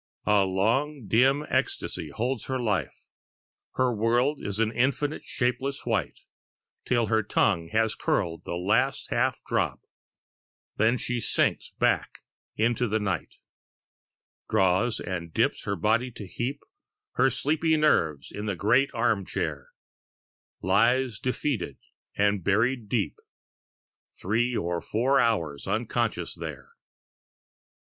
A long dim ecstasy holds her life; Her world is an infinite shapeless white, Till her tongue has curled the last half drop, Then she sinks back into the night, Draws and dips her body to heap Her sleepy nerves in the great arm chair, Lies defeated and buried deep Three or four hours unconscious there.